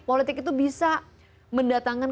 politik itu bisa mendatangkan